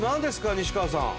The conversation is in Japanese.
西川さん。